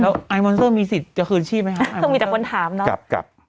อืมแล้วมีสิทธิ์จะคืนชีพไหมครับต้องมีแต่คนถามเนอะกลับกลับ